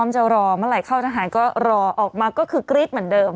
จะรอเมื่อไหร่เข้าทหารก็รอออกมาก็คือกรี๊ดเหมือนเดิม